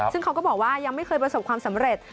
ซึ่งเขาก็บอกว่ายังไม่เคยประสบความสำเร็จ